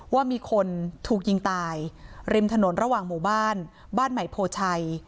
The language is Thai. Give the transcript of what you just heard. ว่ามีคนถูกยิงตายริมถนนระหว่างหมู่บ้านบ้านใหม่โพชัย